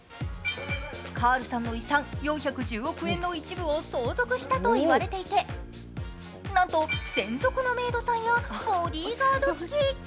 カールさんの遺産４１０億円の一部を相続したといわれていて、なんと専属のメイドさんやボディーガード付き。